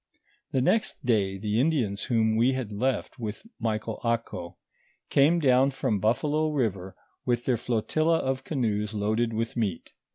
The next day the Indians whom we had left with Michael Ako, came down from Buffalo river with their flotilla of canoes loaded with meat.